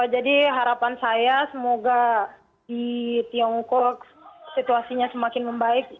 jadi harapan saya semoga di tiongkok situasinya semakin membaik